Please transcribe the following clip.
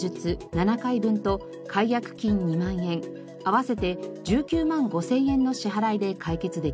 ７回分と解約金２万円合わせて１９万５千円の支払いで解決できました。